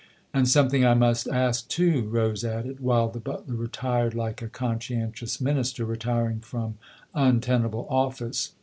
"And something I must ask too," Rose added, while the butler retired like a conscientious Minister retiring from untenable office.